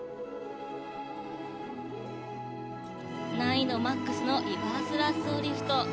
難易度マックスのリバースラッソーリフト。